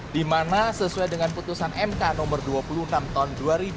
dimana sesuai dengan putusan mk no dua puluh enam tahun dua ribu tiga belas